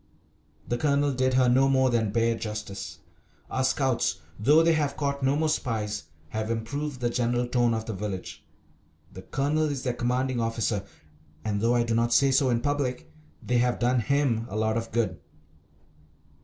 The Colonel did her no more than bare justice. Our Scouts, though they have caught no more spies, have improved the general tone of the village. The Colonel is their commanding officer, and, though I do not say so in public, they have done him a lot of good.